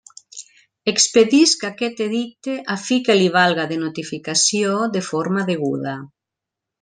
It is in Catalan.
Expedisc aquest edicte a fi que li valga de notificació de forma deguda.